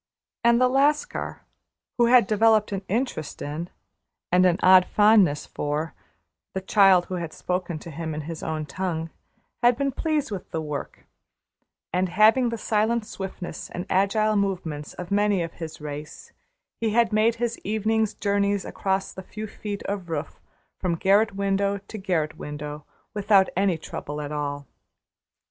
And the Lascar, who had developed an interest in, and an odd fondness for, the child who had spoken to him in his own tongue, had been pleased with the work; and, having the silent swiftness and agile movements of many of his race, he had made his evening journeys across the few feet of roof from garret window to garret window, without any trouble at all.